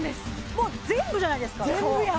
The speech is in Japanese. もう全部じゃないですか顔